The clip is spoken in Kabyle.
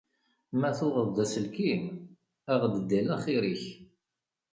Ma tuɣeḍ-d aselkim, aɣ-d Dell axir-ik.